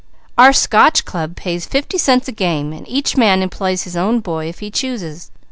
"Our Scotch Club pays fifty cents a game and each man employs his own boy if he chooses.